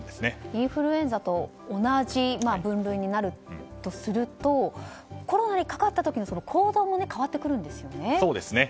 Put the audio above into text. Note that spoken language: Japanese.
インフルエンザと同じ分類になるとするとコロナにかかった時の行動も変わってくるんですよね。